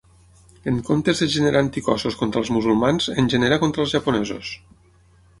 En comptes de generar anticossos contra els musulmans en genera contra els japonesos.